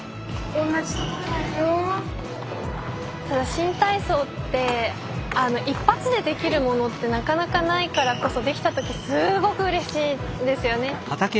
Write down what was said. ただ新体操って一発でできるものってなかなかないからこそできた時すごくうれしいんですよね。